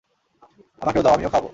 আমাকেও দাও, আমিও খাওয়াবো।